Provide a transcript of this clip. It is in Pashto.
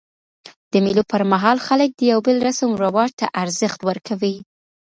د مېلو پر مهال خلک د یو بل رسم و رواج ته ارزښت ورکوي.